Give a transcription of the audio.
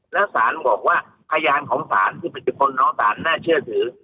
แล้วสารบอกว่าพยานของศาลที่เป็นสิบคนน้องศาลน่าเชื่อถือ